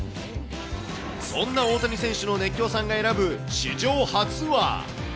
そんな大谷選手の熱狂さんが選ぶ史上初は。